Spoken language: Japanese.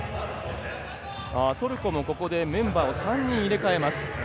トルコもここでメンバーを３人、入れ替えます。